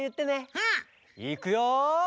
うん。いくよ！